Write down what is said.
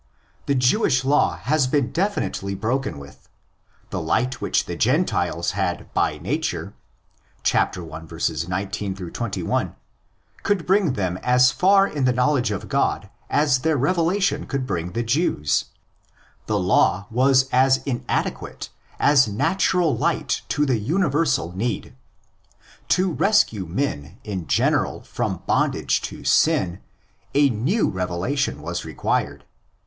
The Jewish law has been definitively broken with. The light which the Gentiles had by nature (i. 19 21) could bring them as far in the knowledge of God as 122 THE EPISTLE TO THE ROMANS their revelation could bring the Jews. The law was as inadequate as natural light to the universal need. To rescue men in general from bondage to sin, a new revelation was required.